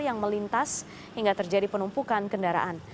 yang melintas hingga terjadi penumpukan kendaraan